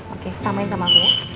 oke samain sama aku